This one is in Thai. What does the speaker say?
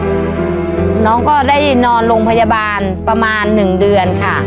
นน้องก็ได้นอนลงพยาบาลประมาณหนึ่งเดือน